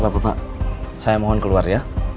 bapak bapak saya mohon keluar ya